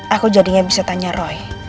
aku jadinya bisa tanya roy